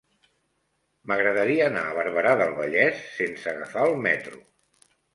M'agradaria anar a Barberà del Vallès sense agafar el metro.